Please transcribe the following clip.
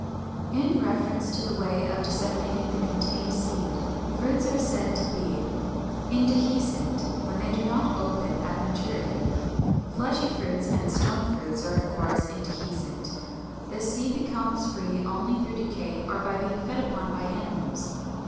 In reference to the way of disseminating the contained seed, fruits are said to be Indehiscent when they do not open at maturity. Fleshy fruits and stone fruits are of course indehiscent. The seed becomes free only through decay or by being fed upon by animals.